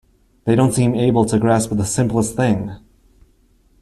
They don't seem able to grasp the simplest thing.